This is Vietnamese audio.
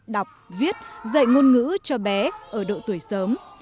đọc viết dạy ngôn ngữ cho bé ở độ tuổi sớm